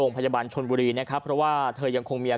ก็เลยไปตามมากับแม่เต่าเอามาไว้เนี่ย